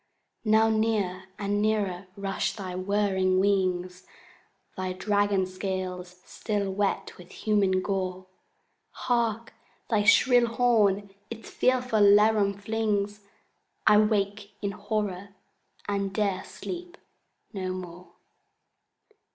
Now near and nearer rush thy whirring wings, Thy dragon scales still wet with human gore. Hark, thy shrill horn its fearful laram flings! —I wake in horror, and 'dare sleep no more!